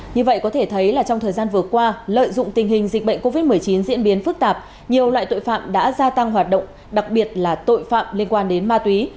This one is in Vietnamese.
như vậy có thể thấy là trong thời gian vừa qua lợi dụng tình hình dịch bệnh covid một mươi chín diễn biến phức tạp nhiều loại tội phạm đã gia tăng hoạt động đặc biệt là tội phạm liên quan đến ma túy